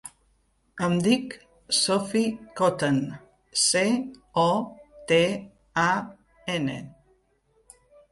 Em dic Sophie Cotan: ce, o, te, a, ena.